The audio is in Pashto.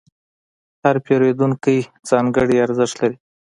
هر پیرودونکی ځانګړی ارزښت لري.